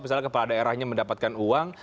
misalnya kepala daerahnya mendapatkan uang